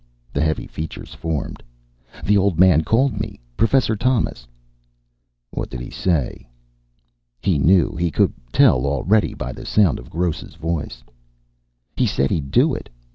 The heavy features formed. "The old man called me. Professor Thomas." "What did he say?" He knew; he could tell already, by the sound of Gross' voice. "He said he'd do it.